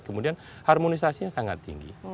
kemudian harmonisasinya sangat tinggi